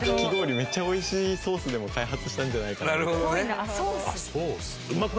めっちゃ美味しいソースでも開発したんじゃないかみたいな。